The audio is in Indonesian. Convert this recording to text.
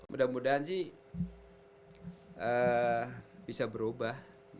mudah mudahan sih bisa berubah